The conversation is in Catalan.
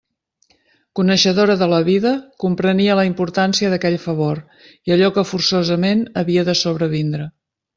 Coneixedora de la vida, comprenia la importància d'aquell favor i allò que forçosament havia de sobrevindre.